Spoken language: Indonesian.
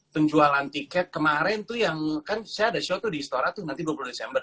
penjualan tiket kemarin tuh yang kan saya ada show tuh di istora tuh nanti dua puluh desember